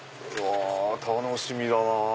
楽しみだなぁ。